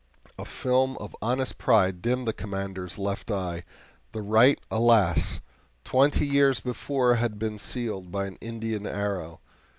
A film of honest pride dimmed the Commander's left eye the right, alas! twenty years before had been sealed by an Indian arrow.